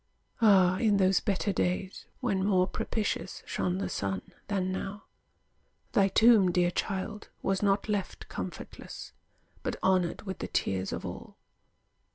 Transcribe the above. Ah, in those better days When more propitious shone the sun than now, Thy tomb, dear child, was not left comfortless, But honored with the tears of all.